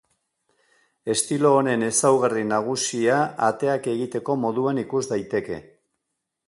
Estilo honen ezaugarri nagusia ateak egiteko moduan ikus daiteke.